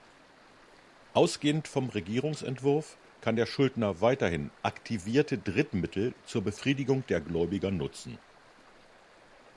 Ausgehend vom Regierungsentwurf kann der Schuldner weiterhin „aktivierte Drittmittel“ zur Befriedigung der Gläubiger nutzen.